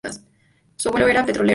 Su abuelo era petrolero.